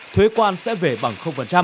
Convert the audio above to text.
thuế quan sẽ về bằng